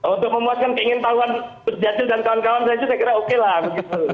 untuk memuaskan keinginan jadwal gujjasil dan kawan kawan saya juga saya kira oke lah